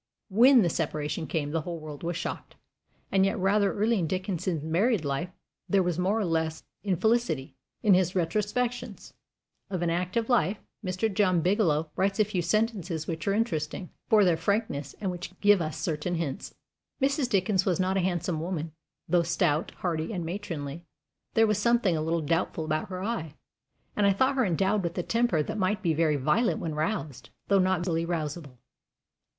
When the separation came the whole world was shocked. And yet rather early in Dickens's married life there was more or less infelicity. In his Retrospections of an Active Life, Mr. John Bigelow writes a few sentences which are interesting for their frankness, and which give us certain hints: Mrs. Dickens was not a handsome woman, though stout, hearty, and matronly; there was something a little doubtful about her eye, and I thought her endowed with a temper that might be very violent when roused, though not easily rousable.